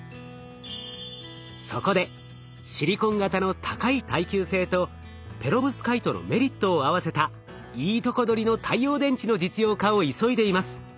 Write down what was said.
そこでシリコン型の高い耐久性とペロブスカイトのメリットを合わせたいいとこ取りの太陽電池の実用化を急いでいます。